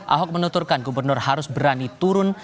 ahok menuturkan gubernur harus berani turun